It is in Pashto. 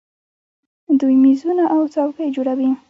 دوی میزونه او څوکۍ جوړوي.